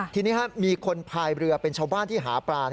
ทีนี้มีคนพายเรือเป็นชาวบ้านที่หาปลา